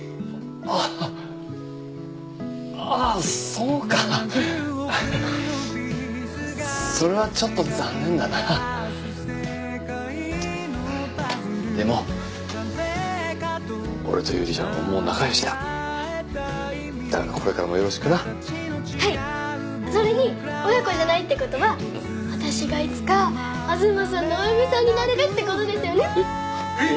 あぁあぁそうかそれはちょっと残念だなでも俺と百合ちゃんはもう仲よしだだからこれからもよろしくなはいそれに親子じゃないってことは私がいつか東さんのお嫁さんになれるってことですよねえっ？